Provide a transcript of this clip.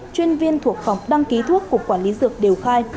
chuyên viên thuộc phòng đăng ký thuốc cục quản lý dược đều khai